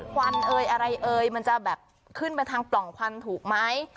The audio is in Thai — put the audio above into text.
ควันอะไรมันจะขึ้นไปทางปล่องควันถูกไหม